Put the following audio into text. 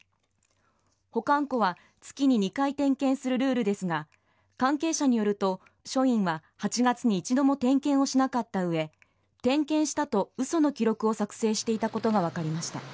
保管庫は月に２回点検するルールですが関係者によると、署員は８月に１度も点検をしなかった上点検したと嘘の記録を作成していたことが分かりました。